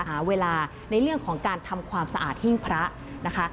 หาเวลาในเรื่องของการทำความสะอาดหิ้งพระนะคะ